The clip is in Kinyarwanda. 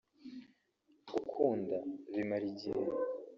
Gukunda bimara igihe